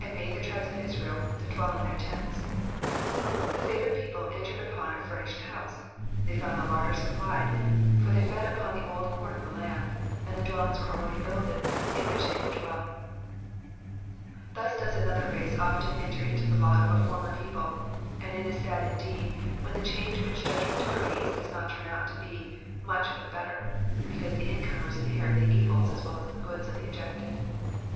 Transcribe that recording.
*'*^And made the tribes of Israel to dwell in their tents^ The favoured people entered upon a furnished house : they found the larder supplied, for they fed upon the old com of the land, and Digitized by VjOOQIC 448 "EXPOSITIONS OF THE PSALMS. the dwellings were already builded in whi^ they could dwell. Thus does another race often enter into the lot of a former people, and it is sad indeed when the change which judgment decrees does not turn out to be much for the better, because the incomers inherit the evils as well as the goods of the ejected.